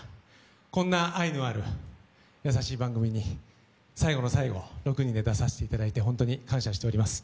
こんな愛のある優しい番組に最後の最後、６人で出させていただいて感謝しております。